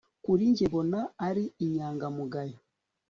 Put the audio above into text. kuri njye mbona ari inyangamugayo